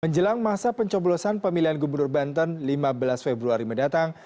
menjelang masa pencoblosan pemilihan gubernur banten lima belas februari mendatang